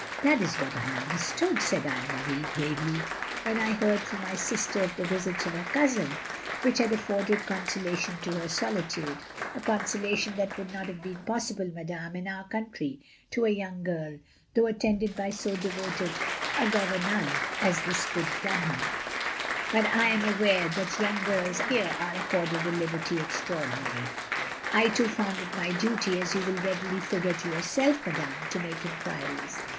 "That is what I understood, " said Anne Marie, gravely. "When I heard from my sister of the visits of her cousin, which had afforded consolation to her solitude (a consolation that would not have been possible, madame, in our cotmtry, to a yoting girl, though attended by so devoted a gouvernante as this good Dunham; but I am aware that young girls here are accorded a liberty extraordinary) — I, too, fotmd it my duty, as you will readily figure to yourself, madame, to make enquiries.